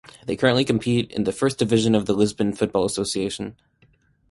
They currently compete in the First Division of the Lisbon Football Association.